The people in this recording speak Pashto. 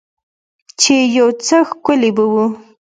چې يو څه ښکلي به وو.